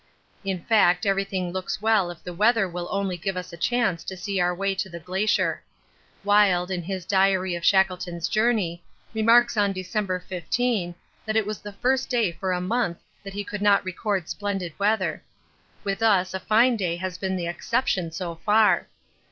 In fact everything looks well if the weather will only give us a chance to see our way to the Glacier. Wild, in his Diary of Shackleton's Journey, remarks on December 15, that it is the first day for a month that he could not record splendid weather. With us a fine day has been the exception so far.